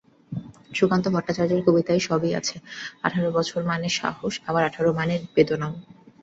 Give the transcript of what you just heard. সুকান্ত ভট্টাচার্যের কবিতায় সবটাই আছে, আঠারো মানে সাহস, আবার আঠারো মানে বেদনাও।